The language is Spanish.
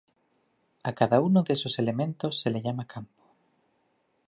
A cada uno de esos elementos se le llama campo.